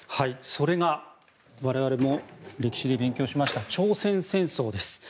それが、我々も歴史で勉強しました朝鮮戦争です。